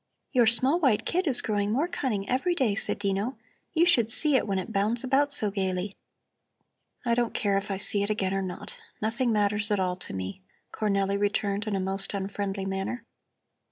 "Your small white kid is growing more cunning every day," said Dino. "You should see it when it bounds about so gaily." "I don't care if I see it again or not. Nothing matters at all to me," Cornelli returned in a most unfriendly manner.